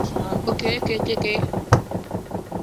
In addition it produces Japan's largest volume of unagi eels.